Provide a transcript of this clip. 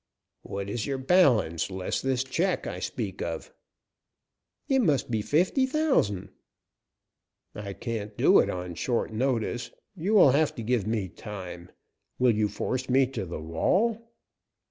"What is your balance, less this check I speak of?" "It must be fifty thousand." "I can't do it, on short notice; you will have to give me time. Will you force me to the wall?"